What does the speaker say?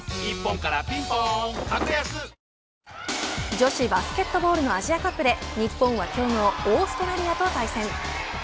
女子バスケットボールのアジアカップで日本は強豪オーストラリアと対戦。